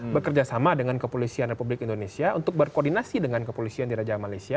bekerja sama dengan kepolisian republik indonesia untuk berkoordinasi dengan kepolisian di raja malaysia